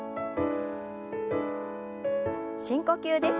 深呼吸です。